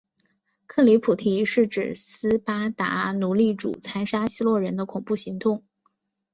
克里普提指斯巴达奴隶主残杀希洛人的恐怖行动。